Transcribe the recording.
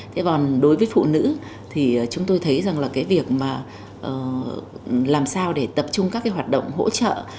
thế còn đối với phụ nữ thì chúng tôi thấy rằng là cái việc mà làm sao để tập trung các cái hoạt động hỗ trợ